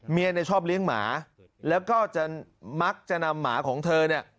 เมียเนี่ยชอบเลี้ยงหมาแล้วก็จะมักจะนำหมาของเธอเนี่ย